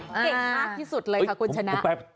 เก่งมากที่สุดเลยค่ะคุณชนะ